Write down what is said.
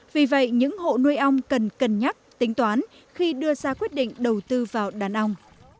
vì vậy những hộ nuôi ong cần cân nhắc tính toán khi đưa ra quyết định đầu tư vào đàn ông